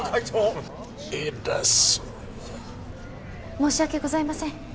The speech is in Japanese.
申し訳ございません。